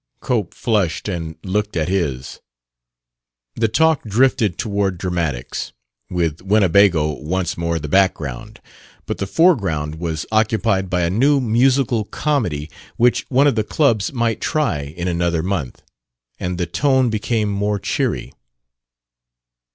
Cope flushed, and looked at his. The talk drifted toward dramatics, with Winnebago once more the background; but the foreground was occupied by a new musical comedy which one of the clubs might try in another month, and the tone became more cheery.